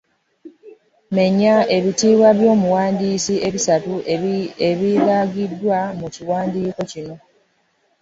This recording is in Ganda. Menya ebitiibwa by’omuwandiisi ebisatu ebiragiddwa mu kiwandiiko kino.